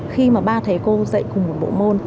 khi ba thầy cô dạy cùng một bộ môn